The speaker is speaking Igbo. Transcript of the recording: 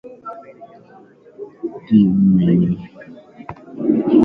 dị Ụmụeri